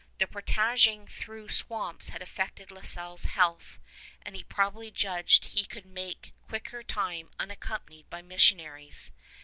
The portaging through swamps had affected La Salle's health, and he probably judged he could make quicker time unaccompanied by missionaries.